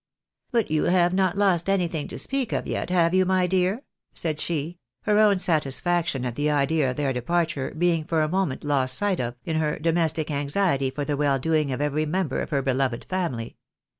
" But you have not lost anything to speak of yet, have you, my dear? " said she, her own satisfaction at the idea of their departure being for a moment lost sight of, in her domestic anxiety for the ■well doing of every member of her beloved family.